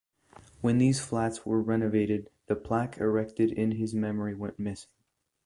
When these flats were renovated the plaque erected in his memory went missing.